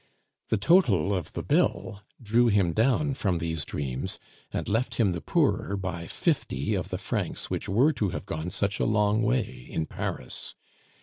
The total of the bill drew him down from these dreams, and left him the poorer by fifty of the francs which were to have gone such a long way in Paris.